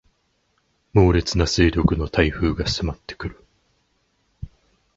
猛烈な勢力の台風が迫ってくる